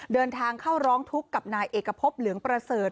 เดินทางเข้าร้องทุกข์กับนายเอกพบเหลืองประเสริฐ